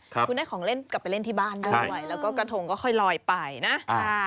คุณได้ของเล่นกลับไปเล่นที่บ้านด้วยแล้วก็กระทงก็ค่อยลอยไปนะอ่า